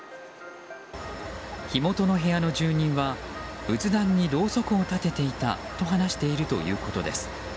火元の部屋の住人は仏壇にろうそくを立てていたと話しているということです。